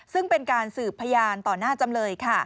ซึ่งเป็นการสืบพยานต่อหน้าจำเลย